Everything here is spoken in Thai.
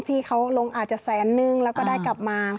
ที่เขาลงอาจจะแสนนึงแล้วก็ได้กลับมา